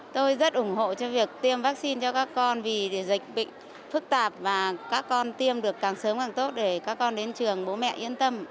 tôi rất ủng hộ cho việc tiêm vaccine cho các con vì dịch bệnh phức tạp và các con tiêm được càng sớm càng tốt để các con đến trường bố mẹ yên tâm